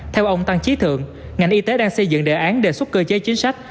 theo ông tăng trí thượng ngành y tế đang xây dựng đề án đề xuất cơ chế chính sách